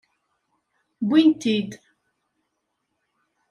Wwin-t-id.